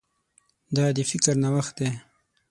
دا د فکر نوښت دی.